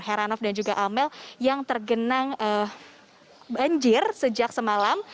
heranov dan juga amel yang tergenang banjir sejak semalam